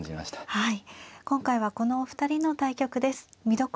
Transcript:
はい。